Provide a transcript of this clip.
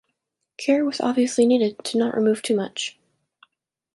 Care was obviously needed, to not remove too much.